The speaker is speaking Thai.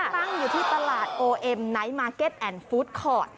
ตั้งอยู่ที่ตลาดโอเอ็มไนท์มาร์เก็ตแอนดฟู้ดคอร์ด